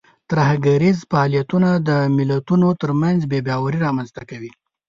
ترهګریز فعالیتونه د ملتونو ترمنځ بې باوري رامنځته کوي.